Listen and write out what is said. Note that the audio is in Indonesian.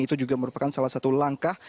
itu juga merupakan salah satu langkah